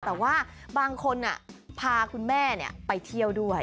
แต่ว่าบางคนพาคุณแม่ไปเที่ยวด้วย